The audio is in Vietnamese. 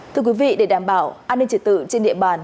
thưa quý vị để đảm bảo an ninh trật tự trên địa bàn